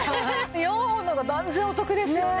４本の方が断然お得ですよね。